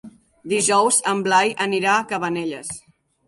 Dijous en Blai anirà a Cabanelles.